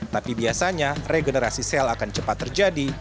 tapi biasanya regenerasi sel akan cepat terjadi